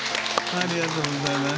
ありがとうございます。